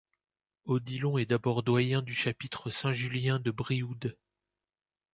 Odilon est d'abord doyen du chapitre Saint-Julien de Brioude.